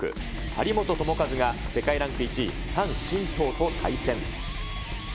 張本智和が世界ランク１位、樊振東と対戦。